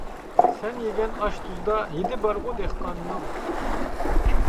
سەن يېگەن ئاش تۇزدا، ھىدى بارغۇ دېھقاننىڭ.